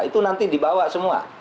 itu nanti dibawa semua